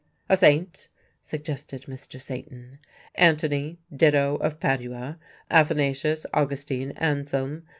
"A Saint?" suggested Mr. Satan, "Antony, Ditto of Padua, Athanasius, Augustine, Anselm?"